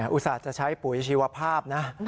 อุตส่าห์จะใช้ปุ๋ยชีวภาพนะ